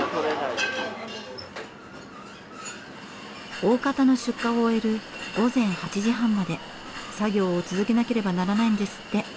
大方の出荷を終える午前８時半まで作業を続けなければならないんですって。